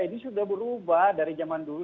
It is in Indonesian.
ini sudah berubah dari zaman dulu